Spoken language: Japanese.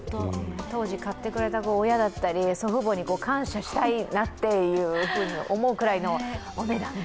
当時、買ってくれた親だったり祖父母に感謝したいなって思うくらいのお値段で。